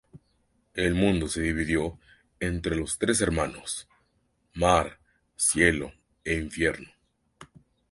El mundo se dividió entre los tres hermanos: mar, cielo e infierno.